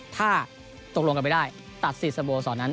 ถ้าตกลงกันไม่ได้ตัดสิทธิ์สโมสรนั้น